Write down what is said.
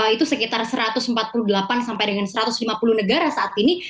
itu sekitar satu ratus empat puluh delapan sampai dengan satu ratus lima puluh negara saat ini